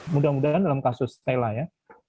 mudah mudahan dalam kasus stella ya